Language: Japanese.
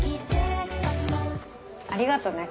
ありがとね